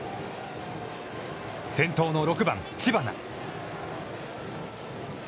先頭の６番知花。